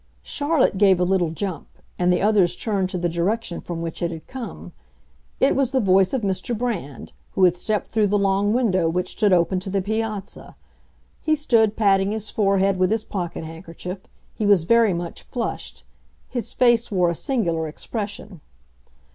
Charlotte gave a little jump, and the others turned to the direction from which it had come. It was the voice of Mr. Brand, who had stepped through the long window which stood open to the piazza. He stood patting his forehead with his pocket handkerchief; he was very much flushed; his face wore a singular expression.